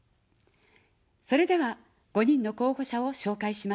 それでは、５人の候補者を紹介します。